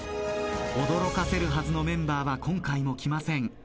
驚かせるはずのメンバーは今回も来ません。